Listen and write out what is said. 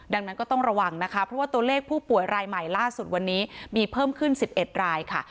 ดังนั้นก็ต้องระวังนะคะเพราะว่าตัวเลขผู้ป่วยรายใหม่ล่าสุดวันนี้มีเพิ่มขึ้น๑๑รายค่ะ